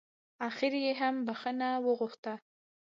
اخر يې هم بښنه وغوښته.